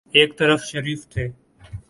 ایک طرف شریف تھے۔